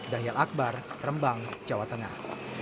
dahil akbar rembang jawa tengah